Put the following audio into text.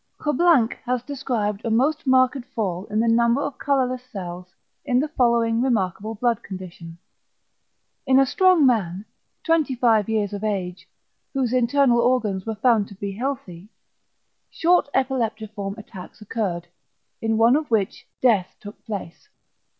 Koblanck has described a most marked fall in the number of the colourless cells, in the following remarkable blood condition. In a strong man, 25 years of age, whose internal organs were found to be healthy, short epileptiform attacks occurred, in one of which death took place.